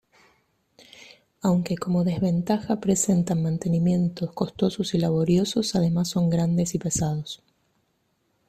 Aunque como desventaja presentan mantenimientos costosos y laboriosos, además son grandes y pesados.